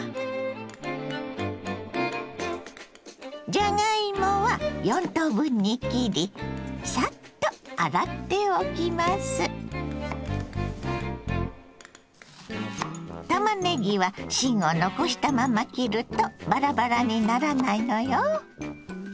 じゃがいもは４等分に切りたまねぎは芯を残したまま切るとバラバラにならないのよ。